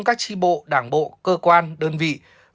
và các đơn vị